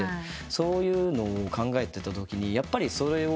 そういうのを考えてたときにやっぱりそれを。